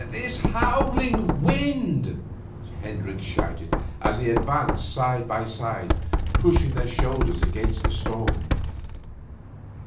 'This howling wind ' Hendricks shouted, as they advanced side by side, pushing their shoulders against the storm.